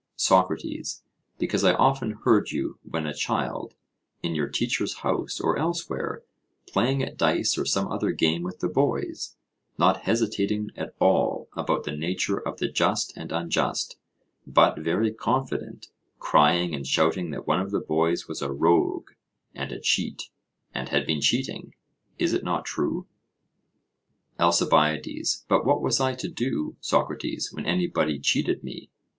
SOCRATES: Because I often heard you when a child, in your teacher's house, or elsewhere, playing at dice or some other game with the boys, not hesitating at all about the nature of the just and unjust; but very confident crying and shouting that one of the boys was a rogue and a cheat, and had been cheating. Is it not true? ALCIBIADES: But what was I to do, Socrates, when anybody cheated me?